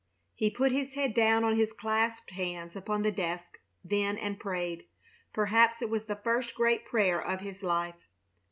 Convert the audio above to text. He put his head down on his clasped hands upon the desk then and prayed. Perhaps it was the first great prayer of his life.